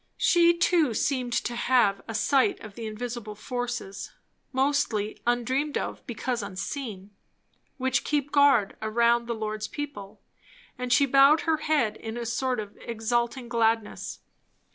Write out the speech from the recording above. She too seemed to have a sight of the invisible forces, mostly undreamed of because unseen, which keep guard around the Lord's people; and she bowed her head in a sort of exulting gladness.